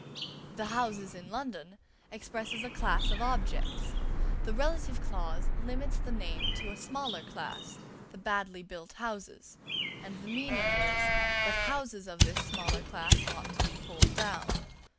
"The houses in London" expresses a class of objects; the relative clause limits the name to a smaller class, the badly built houses; and the meaning is, that houses of this smaller class ought to be pulled down.